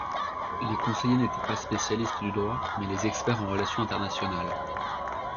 Les conseillers n'étaient pas des spécialistes du droit, mais les experts en relations internationales.